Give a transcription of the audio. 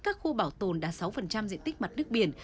các khu bảo tồn đạt sáu diện tích mặt nước biển